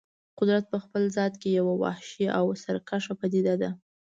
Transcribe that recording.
قدرت په خپل ذات کې یوه وحشي او سرکشه پدیده ده.